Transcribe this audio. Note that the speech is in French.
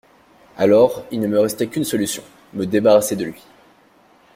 Alors, il ne me restait qu’une solution: me débarrasser de lui.